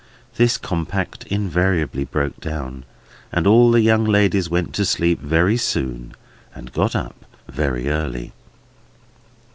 This compact invariably broke down, and all the young ladies went to sleep very soon, and got up very early.